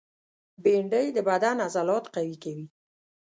بېنډۍ د بدن عضلات قوي کوي